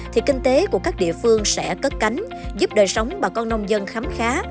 thì kinh tế của các địa phương sẽ cất cánh giúp đời sống bà con nông dân khám khá